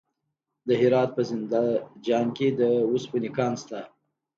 د هرات په زنده جان کې د وسپنې کان شته.